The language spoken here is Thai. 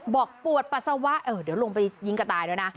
บอกปวดปัซปวาเดี๋ยวลงไปยิงกระต่ายเลยนะ